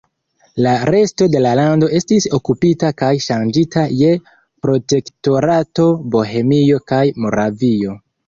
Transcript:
La resto de la lando estis okupita kaj ŝanĝita je Protektorato Bohemio kaj Moravio.